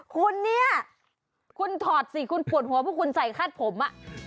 คุณเนี่ยคุณถอดสิคุณปวดหัวเพราะคุณใส่คาดผม